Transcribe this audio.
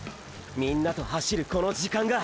みんなと走るこの時間が！！